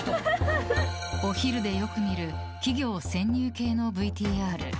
お昼でよく見る企業潜入系のＶＴＲ。